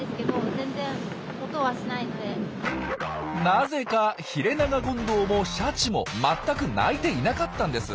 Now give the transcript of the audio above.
なぜかヒレナガゴンドウもシャチもまったく鳴いていなかったんです。